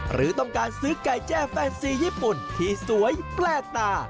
หรือต้องการซื้อไก่แจ้แฟนซีญี่ปุ่นที่สวยแปลกตา